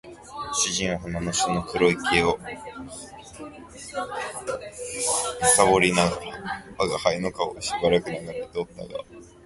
主人は鼻の下の黒い毛を撚りながら吾輩の顔をしばらく眺めておったが、